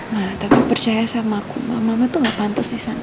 ma tapi percaya sama aku ma mama tuh gak pantas disana